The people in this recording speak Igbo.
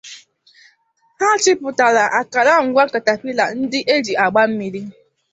Ha chịpụtara akara ngwa katapila ndị e ji agba mmiri